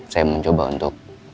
saya mau coba untuk